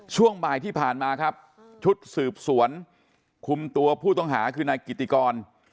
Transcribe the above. ช่วงบ่ายที่ผ่านมาครับชุดสืบสวนคุมตัวผู้ต้องหาคือนายกิติกร